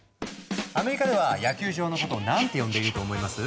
アメリカでは野球場のことを何て呼んでいると思います？